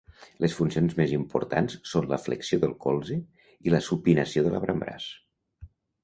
Les funcions més importants són la flexió del colze i la supinació de l'avantbraç.